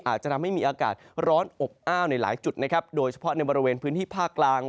อาจจะทำให้มีอากาศร้อนอบอ้าวในหลายจุดนะครับโดยเฉพาะในบริเวณพื้นที่ภาคกลาง